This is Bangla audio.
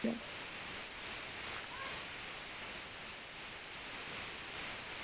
দৃষ্টিপথ সায়াহ্নের সূর্যাস্তপথের মতো জ্বলন্ত সুবর্ণপ্রলেপে রাঙা হইয়া উঠিল।